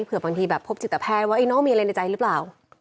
บางทีแบบพบจิตแพทย์ว่าน้องมีอะไรในใจหรือเปล่า